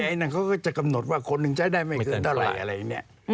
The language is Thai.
ไอ้นั่งเขาก็จะกำหนดว่าคนหนึ่งใช้ได้ไหมคือเท่าไรอะไรนี่